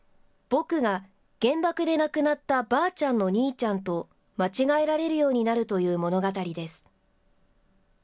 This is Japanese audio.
ぼくが原爆で亡くなったばあちゃんの兄ちゃんと間違えられるようになるという物語です。